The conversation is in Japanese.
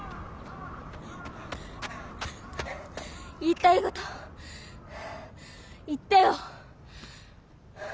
言いたいこと言ってよ！